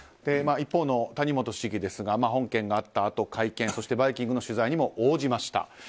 一方の谷本市議ですが本件があったあと会見、「バイキング」の取材にも応じました。